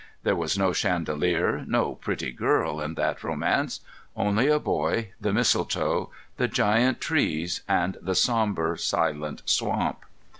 There was no chandelier, no pretty girl, in that romance,—only a boy, the mistletoe, the giant trees, and the sombre silent swamp.